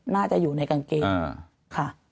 น่าจะอยู่ในกางเกงค่ะ